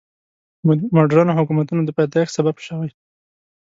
مډرنو حکومتونو د پیدایښت سبب شوي.